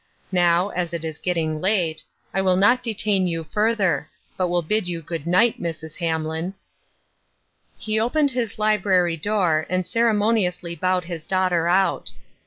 Now, as it is 286 " O, MAMMA ! GOOD BY !" getting late, I will not detain you further, but will bid you good night, Mrs. Hamlin." He opened his library door, and ceremoniously bowed his daughter out.